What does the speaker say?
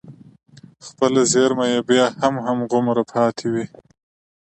خپله زېرمه يې بيا هم هماغومره پاتې وي.